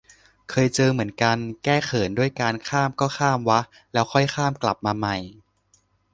เคยเจอเหมือนกัน แก้เขินด้วยการ ข้ามก็ข้ามวะ แล้วค่อยข้ามกลับมาใหม่